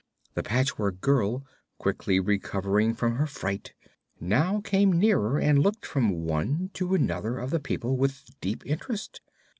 The Patchwork Girl, quickly recovering from her fright, now came nearer and looked from one to another of the people with deep interest.